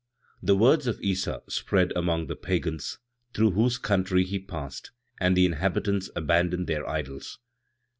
The words of Issa spread among the Pagans, through whose country he passed, and the inhabitants abandoned their idols.